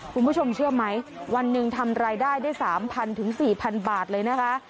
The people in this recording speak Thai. คุณผู้ชมเชื่อไหมวันหนึ่งทำรายได้ได้๓๐๐ถึง๔๐๐บาทเลยนะคะ